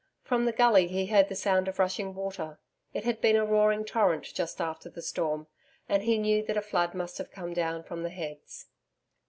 From the gully he heard the sound of rushing water. It had been a roaring torrent just after the storm, and he knew that a flood must have come down from the heads.